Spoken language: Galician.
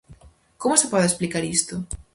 Como se pode explicar isto?